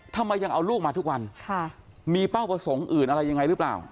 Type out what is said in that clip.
ทำไมยังเอาลูกมาทุกวันมีเป้าประสงค์อื่นอะไรยังไงหรือเปล่า